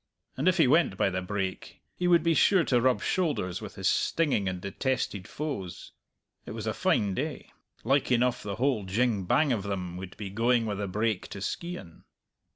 And if he went by the brake, he would be sure to rub shoulders with his stinging and detested foes. It was a fine day; like enough the whole jing bang of them would be going with the brake to Skeighan.